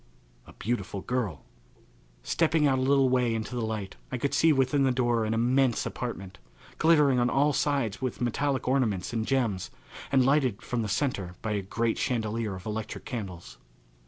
A Beautiful Girl! Stepping out a little way into the light I could see within the door an immense apartment, glittering on all sides with metallic ornaments and gems and lighted from the centre by a great chandelier of electric candles.